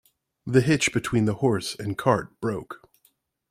The hitch between the horse and cart broke.